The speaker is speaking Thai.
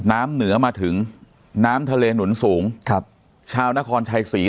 น้ำเหนือมาถึงน้ำทะเลหนุนสูงครับชาวนครชัยศรี